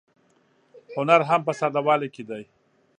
هنر هم په ساده والي کې دی.